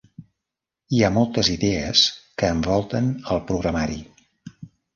Hi ha moltes idees que envolten al programari.